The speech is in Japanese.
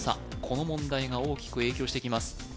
この問題が大きく影響してきます